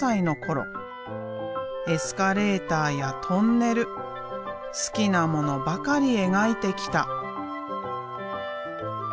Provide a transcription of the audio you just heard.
エスカレーターやトンネル好きなものばかり描いてきた。